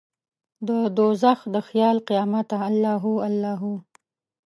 ددوږخ د خیال قیامته الله هو، الله هو